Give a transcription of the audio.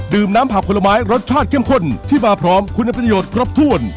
น้ำผักผลไม้รสชาติเข้มข้นที่มาพร้อมคุณประโยชน์ครบถ้วน